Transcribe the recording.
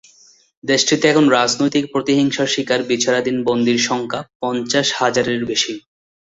দেশটিতে এখন রাজনৈতিক প্রতিহিংসার শিকার বিচারাধীন বন্দীর সংখ্যা পঞ্চাশ হাজারের বেশি।